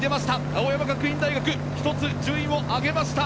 青山学院大学１つ順位を上げました。